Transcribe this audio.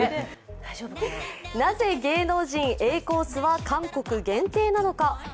なぜ芸能人Ａコースは韓国限定なのか。